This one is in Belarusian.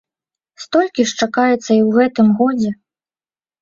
Столькі ж чакаецца і ў гэтым годзе.